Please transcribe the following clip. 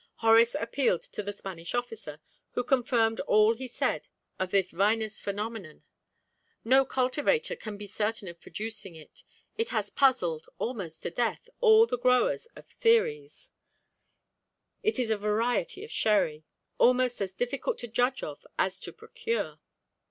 Horace appealed to the Spanish officer, who confirmed all he said of this vinous phenomenon. "No cultivator can be certain of producing it. It has puzzled, almost to death, all the growers of Xeres: it is a variety of sherry, almost as difficult to judge of as to procure."